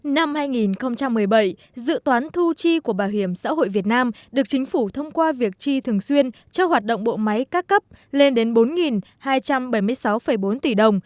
năm hai nghìn một mươi bảy dự toán thu chi của bảo hiểm xã hội việt nam được chính phủ thông qua việc chi thường xuyên cho hoạt động bộ máy các cấp lên đến bốn hai trăm bảy mươi sáu bốn tỷ đồng